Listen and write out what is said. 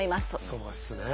そうですね。